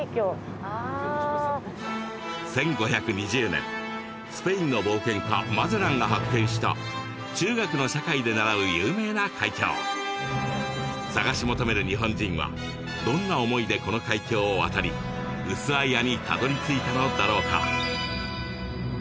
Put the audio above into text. １５２０年スペインの冒険家・マゼランが発見した中学の社会で習う有名な海峡探し求める日本人はどんな思いでこの海峡を渡りウスアイアにたどり着いたのだろうか？